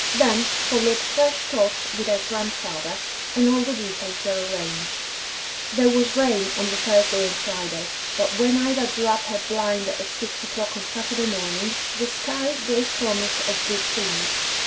Then followed fresh talks with her grandfather, and all the details were arranged. There was rain on the Thursday and Friday, but when Ida drew up her blind at six o'clock on Saturday morning, the sky gave promise of good things.